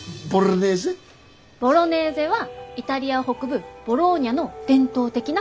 ボロネーゼはイタリア北部ボローニャの伝統的なパスタ。